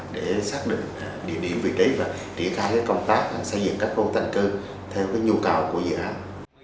để xác định địa điểm vị trí và triển khai công tác xây dựng các khu tân cư theo nhu cầu của dự án